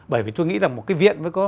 bởi vì tôi nghĩ là một cái viện